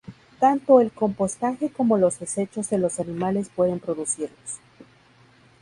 Tanto el compostaje como los desechos de los animales pueden producirlos.